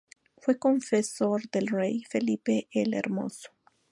Fue confesor del rey Felipe el Hermoso.